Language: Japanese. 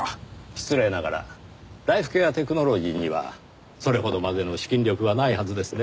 失礼ながらライフケアテクノロジーにはそれほどまでの資金力はないはずですねぇ。